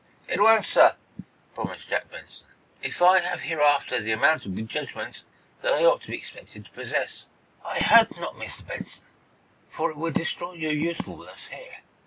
"It won't, sir," promised Jack Benson, "if I have hereafter the amount of good judgment that I ought to be expected to possess." "I hope not, Mr. Benson, for it would destroy your usefulness here.